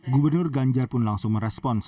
gubernur ganjar pun langsung merespons